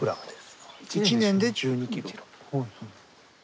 １年で１２ｋｇ？